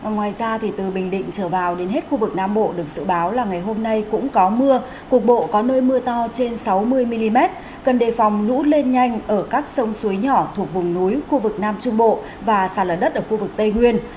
ngoài ra từ bình định trở vào đến hết khu vực nam bộ được dự báo là ngày hôm nay cũng có mưa cục bộ có nơi mưa to trên sáu mươi mm cần đề phòng lũ lên nhanh ở các sông suối nhỏ thuộc vùng núi khu vực nam trung bộ và sàn lở đất ở khu vực tây nguyên